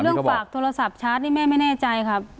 เรื่องฝากโทรศัพท์ชาร์จนี่แม่ไม่แน่ใจค่ะ